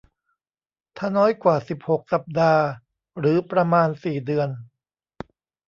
ถ้าน้อยกว่า สิบหก สัปดาห์หรือประมาณ สี่ เดือน